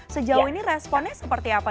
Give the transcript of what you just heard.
sejauh ini responnya seperti apa